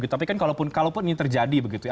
tapi kan kalaupun ini terjadi begitu ya